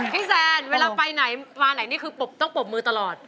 พี่แซนเวลาไปไหนมาไหนก็ต้องปบมือตลอด